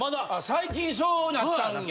最近そうなったんや。